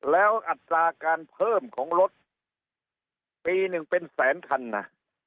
แล้วอัตราการเพิ่มของรถปีหนึ่งเป็นแสนคันนะ